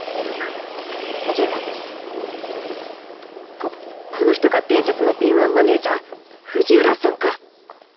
ここの人が伝説の敏腕マネージャー藤浦さんか！